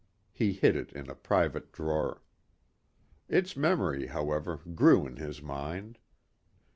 He hid it in a private drawer. Its memory, however, grew in his mind.